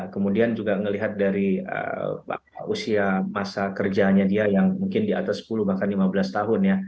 kemudian juga melihat dari usia masa kerjanya dia yang mungkin di atas sepuluh bahkan lima belas tahun ya